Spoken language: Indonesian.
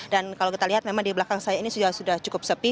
dan kalau kita lihat memang di belakang saya ini sudah cukup sepi